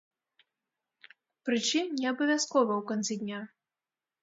Прычым, неабавязкова ў канцы дня.